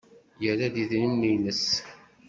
Yerra-d idrimen-nnes.